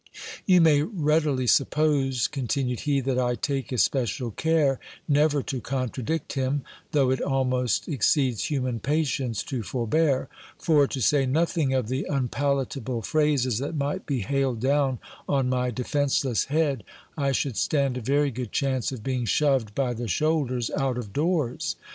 You may readily suppose, continued he, that I take especial care never to contradict him, though it almost exceeds human patience to forbear: for, to say nothing of the unpalatable phrases that might be hailed down on my de fenceless head, I should stand a very good chance of being shoved by the shoulders out of doors.